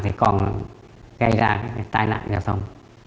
thì còn gây ra cái tai nạn